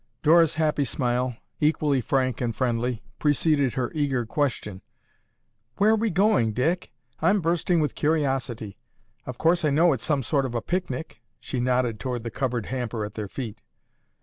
Dora's happy smile, equally frank and friendly, preceded her eager question, "Where are we going, Dick? I'm bursting with curiosity. Of course I know it's some sort of a picnic." She nodded toward the covered hamper at their feet.